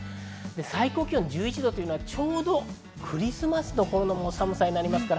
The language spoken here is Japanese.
最高気温１１度はちょうどクリスマスの頃の寒さになります。